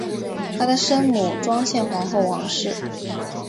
她的生母庄宪皇后王氏。